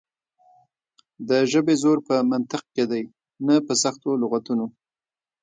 د ژبې زور په منطق کې دی نه په سختو لغتونو.